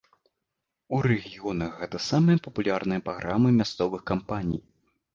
У рэгіёнах гэта самыя папулярныя праграмы мясцовых кампаній.